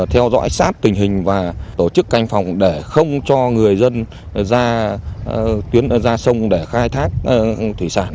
theo dõi sát tình hình và tổ chức canh phòng để không cho người dân ra tuyến ra sông để khai thác thủy sản